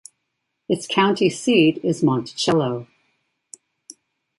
Its county seat is Monticello.